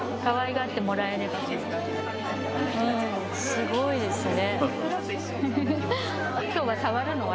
すごいですね。